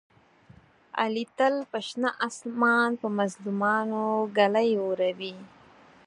علي تل په شنه اسمان په مظلومانو ږلۍ اوروي.